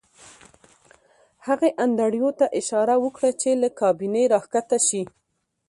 هغې انډریو ته اشاره وکړه چې له کابینې راښکته شي